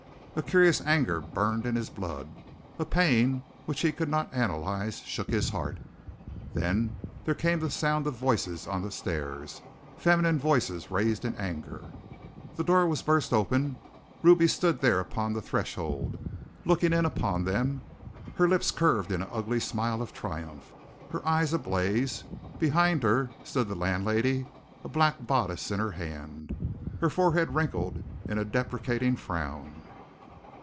A curious anger burned in his blood, a pain which he could not analyze shook his heart. Then there came the sound of voices on the stairs, feminine voices raised in anger! The door was burst open. Ruby stood there upon the threshold, looking in upon them, her lips curved in an ugly smile of triumph, her eyes ablaze. Behind her stood the landlady, a black bodice in her hand, her forehead wrinkled in a deprecating frown.